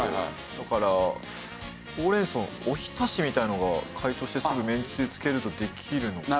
だからほうれん草おひたしみたいなのが解凍してすぐめんつゆつけるとできるのかな？